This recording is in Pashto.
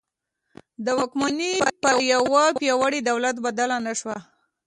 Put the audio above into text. د واکمني پر یوه پیاوړي دولت بدله نه شوه.